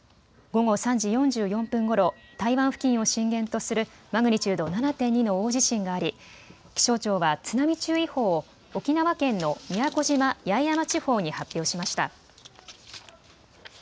午後３時４４分ごろ、台湾付近を震源とするマグニチュード７．２の大地震があり気象庁は津波注意報を沖縄県の宮古島・八重山地方に発表しました。